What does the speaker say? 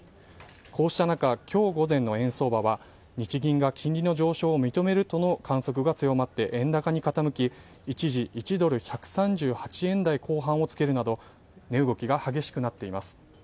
こうした中今日午前の円相場は日銀が金利の上昇を認めるとの観測が強まって円高に傾き一時、１ドル１３８円台後半をつけるなど値動きが激しくなっています。